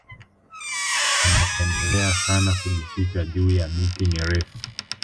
Anapendelea sana kujificha juu ya miti mirefu